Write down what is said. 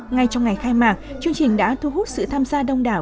ngay trong ngày khai mạc chương trình đã thu hút sự tham gia đông đảo